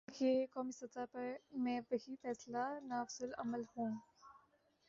ایک یہ کہ قومی سطح میں وہی فیصلے نافذالعمل ہوں۔